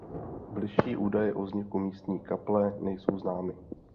Bližší údaje o vzniku místní kaple nejsou známy.